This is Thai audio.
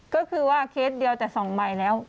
ก็คือว่าเคสเดียวแต่๒ใบแล้ว